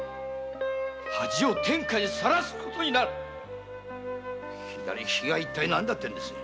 恥を天下にさらす事になる左利きが一体何だってんです。